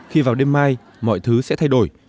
khi vào đêm mai mọi thứ sẽ thay đổi